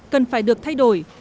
cần phải được thay đổi